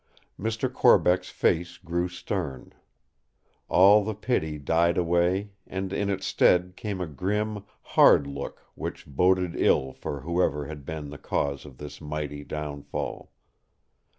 Mr. Corbeck's face grew stern. All the pity died away; and in its stead came a grim, hard look which boded ill for whoever had been the cause of this mighty downfall.